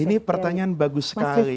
ini pertanyaan bagus sekali